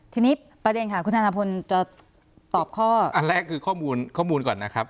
ทีนี้ประเด็นค่ะคุณธนพลจะตอบข้ออันแรกคือข้อมูลข้อมูลก่อนนะครับ